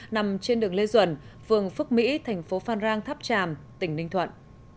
nằm trên đường lê duẩn phường phước mỹ thành phố phan rang tháp tràm tỉnh ninh thuận